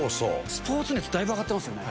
スポーツ熱、だいぶ上がってますね。